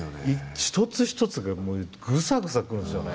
一つ一つがグサグサくるんですよね。